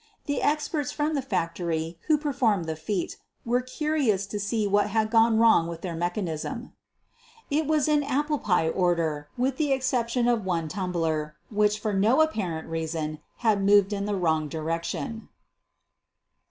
The experts from the factory who performed the feat were curious to see what had gone wrong with their mechanism. It was in "apple pie" order with the exception of one QUEEN OF THE BURGLARS 155 tumbler which, for no apparent reason, had moved in the wrong direction.